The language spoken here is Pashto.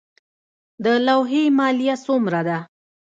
د لوحې مالیه څومره ده؟